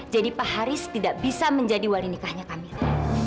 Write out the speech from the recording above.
jadi pak haris tidak bisa menjadi wali nikahnya kamila